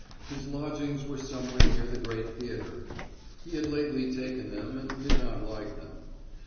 His lodgings were somewhere near the Great Theatre; he had lately taken them, and did not like them.